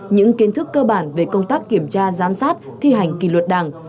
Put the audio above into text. những kiến thức cơ bản về công tác kiểm tra giám sát thi hành kỷ luật đảng